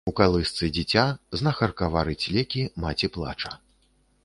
У калысцы дзіця, знахарка варыць лекі, маці плача.